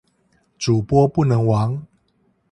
主播不能亡